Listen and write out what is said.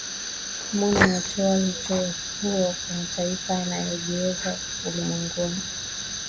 moon ametoa wito huo kwa mataifa yanayo jiweza ulimwenguni